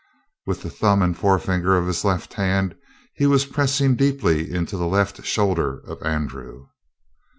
With the thumb and forefinger of his left hand he was pressing deeply into the left shoulder of Andrew.